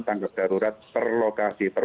tanggap darurat per lokasi per